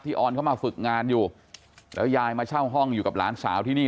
ออนเข้ามาฝึกงานอยู่แล้วยายมาเช่าห้องอยู่กับหลานสาวที่นี่